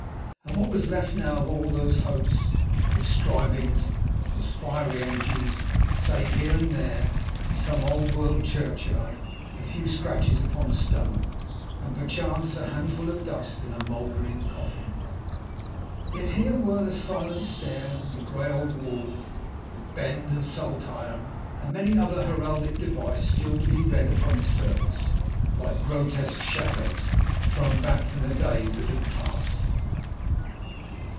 And what was left now of all those hopes, those strivings, those fiery energies, save here and there in some old world churchyard a few scratches upon a stone, and perchance a handful of dust in a mouldering coffin? Yet here were the silent stair and the grey old wall, with bend and saltire and many another heraldic device still to be read upon its surface, like grotesque shadows thrown back from the days that had passed.